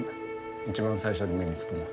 一番最初に目につくな。